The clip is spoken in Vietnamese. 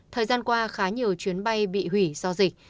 thời gian qua khá nhiều chuyến bay bị hủy do dịch